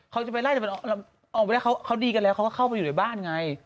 เขาจะไปไล่แต่มันออกไปได้เขาดีกันแล้วเขาก็เข้าไปอยู่ในบ้านไง